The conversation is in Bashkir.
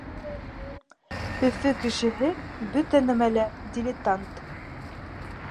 Өфө кешеһе бөтә нәмәлә дилетант.